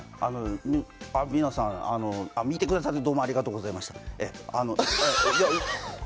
皆さん、見てくださってどうもありがとうございました。